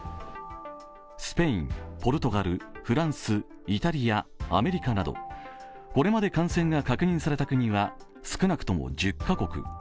スペイン、ポルトガル、フランス、イタリア、アメリカなどこれまで感染が確認された国は少なくとも１０カ国。